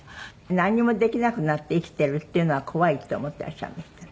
なんにもできなくなって生きているっていうのは怖いって思っていらっしゃるんですってね。